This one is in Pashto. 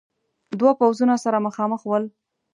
دو پوځونه سره مخامخ ول.